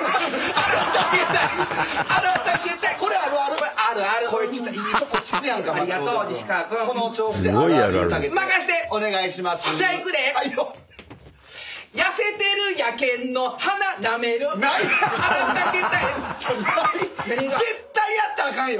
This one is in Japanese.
「ない！絶対やったらあかんよ」